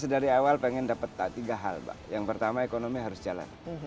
dari awal pengen dapat tiga hal pak yang pertama ekonomi harus jalan